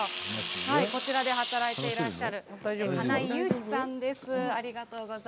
こちらで働いていらっしゃる金井雄飛さんです。